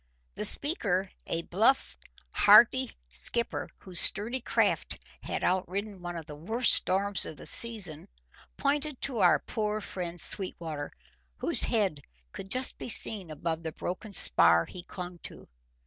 The speaker, a bluff, hearty skipper, whose sturdy craft had outridden one of the worst storms of the season, pointed to our poor friend Sweetwater, whose head could just be seen above the broken spar he clung to.